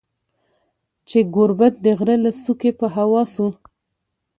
چي ګوربت د غره له څوکي په هوا سو